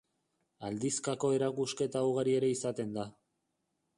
Aldizkako erakusketa ugari ere izaten da.